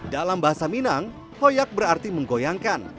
dalam bahasa minang hoyak berarti menggoyangkan